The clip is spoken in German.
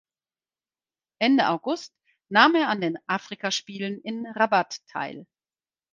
Ende August nahm er an den Afrikaspielen in Rabat teil.